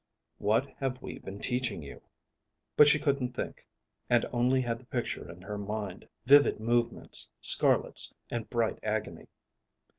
"What have we been teaching you?" But she couldn't think, and only had the picture in her mind, vivid movements, scarlets, and bright agony.